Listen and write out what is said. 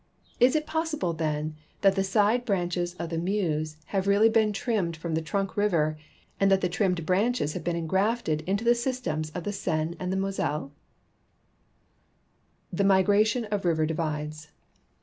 Is it pos sible, then, that the side branches of the Meuse have really been trimmed from the trunk river, and that the trimmed l)ranches have been engrafted into the s}^stems of the Seine and the Moselle ? The migration of river divides.